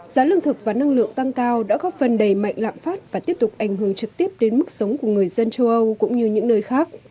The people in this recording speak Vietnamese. giá lương thực và năng lượng tăng cao đã góp phần đầy mạnh lạm phát và tiếp tục ảnh hưởng trực tiếp đến mức sống của người dân châu âu cũng như những nơi khác